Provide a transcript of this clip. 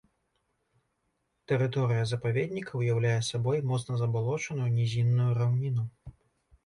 Тэрыторыя запаведніка ўяўляе сабой моцна забалочаную нізінную раўніну.